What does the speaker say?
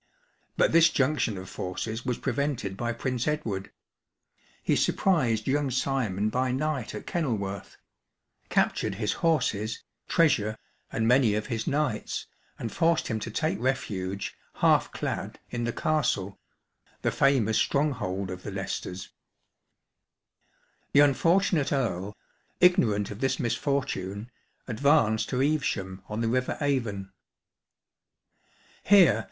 But this junction of forces was prevented by Prince Edward. He surprised young Simon by night at Kenilworth — captured his horses, treasuxe, and many of his knights, and forced him to take refuge, half clad, in the castle, — the famous stronghold of the Leicesters. The unfortunate Earl, ignorant of this misfortune, advanced to Evesham, on the river Avon.